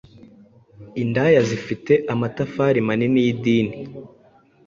indaya zifite amatafari manini y'idini.